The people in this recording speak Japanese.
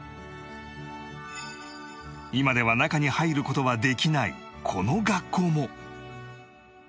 今では中に入る事はできないこの学校も